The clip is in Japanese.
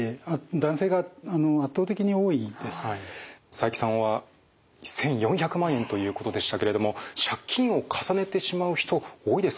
佐伯さんは１，４００万円ということでしたけれども借金を重ねてしまう人多いですか？